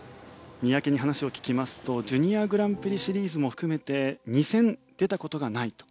三宅に話を聞きますとジュニアグランプリシリーズも含めて２戦、出たことがないと。